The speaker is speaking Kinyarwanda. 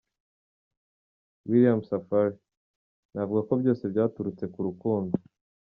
William Safari: Navuga ko byose byaturutse ku rukundo.